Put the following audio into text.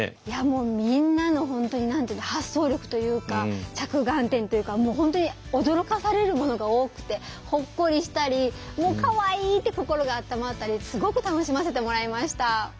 いやもうみんなの本当に発想力というか着眼点というかもう本当に驚かされるものが多くてほっこりしたりもう「かわいい！」って心があったまったりすごく楽しませてもらいました。